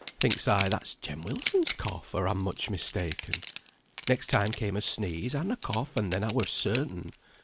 Thinks I, that's Jem Wilson's cough, or I'm much mistaken. Next time came a sneeze and a cough, and then I were certain.